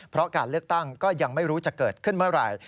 เพราะการเลือกตั้งก็ยังไม่รู้จะเกิดขึ้นเมื่อไหร่